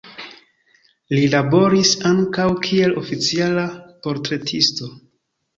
Li laboris ankaŭ kiel oficiala portretisto.